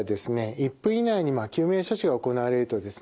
１分以内に救命処置が行われるとですね